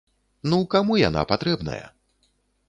Ну каму яна патрэбная?!